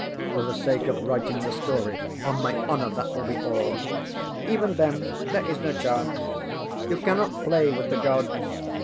For the sake of writing the story. On my honor that will be all. ŌĆØ ŌĆ£Even then there is no chance. You cannot play with the Gods.